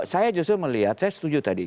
saya justru melihat saya setuju tadi